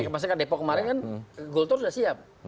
maksudnya depok kemarin kan gultor sudah siap